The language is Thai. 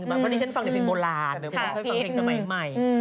เพราะฉันฟังเพลงโบราณเพราะฉันฟังเพลงสมัย